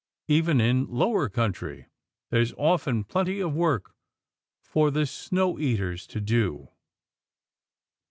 Even in lower country, there's often plenty of work for the snow eaters to do.